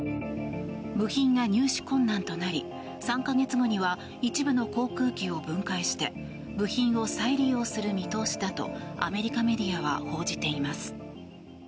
部品が入手困難となり３か月後には一部の航空機を分解して部品を再利用する見通しだとアメリカメディアは報じています。